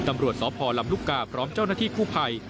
ตำรวจสพลำลูกกาพร้อมเจ้าหน้าที่กู้ภัย